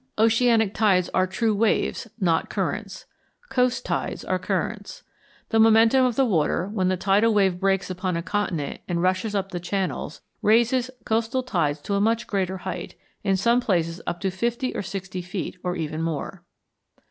Oceanic tides are true waves, not currents. Coast tides are currents. The momentum of the water, when the tidal wave breaks upon a continent and rushes up channels, raises coast tides to a much greater height in some places up to 50 or 60 feet, or even more.